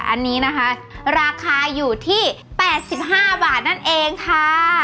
อันนี้นะคะราคาอยู่ที่แปดสิบห้าบาทนั่นเองค่ะ